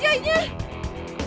dia di sini jelaskan